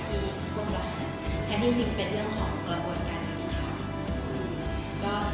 แต่ที่จริงเป็นเรื่องของกระบวนการที่ทำ